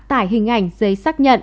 tải hình ảnh giấy xác nhận